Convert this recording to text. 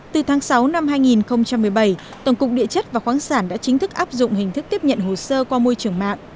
từ tháng sáu năm hai nghìn một mươi bảy tổng cục địa chất và khoáng sản đã chính thức áp dụng hình thức tiếp nhận hồ sơ qua môi trường mạng